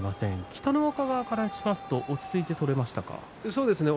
北の若からすると落ち着いて取れましたか？